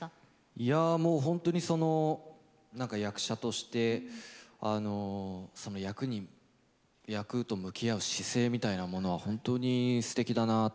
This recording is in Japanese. いやもう本当にその何か役者としてその役と向き合う姿勢みたいなものは本当にすてきだなと。